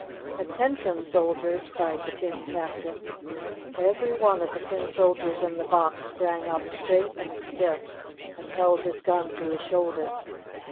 4 'Attention, soldiers !" cried the tin cap tain. Every one of the tin soldiers in the box sprang up straight and stiff and held his gun to his shoulder.